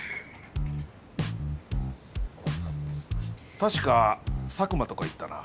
確か佐久間とかいったな。